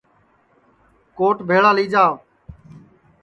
کوٹ بھیݪا لی جاو